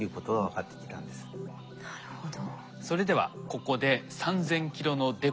なるほど。